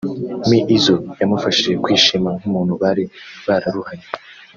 M Izzo yamufashije kwishima nk’umuntu bari bararuhanye